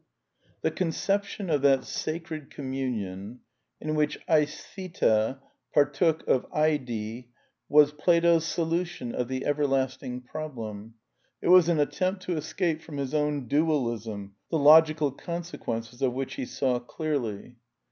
The conception of that sacred commimion in which ataOrira partook of 0817 was Plato's solution of the everlast ing problem; it was an attempt to escape from his own Dualism, the logical consequences of which he saw clearly.